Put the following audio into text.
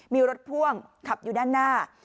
มีรถพ่วงขับอยู่ด้านหน้า